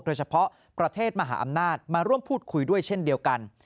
ประเทศมหาอำนาจมาร่วมพูดคุยด้วยเช่นเดียวกัน